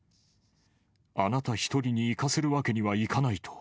あなた一人にいかせるわけにはいかないと。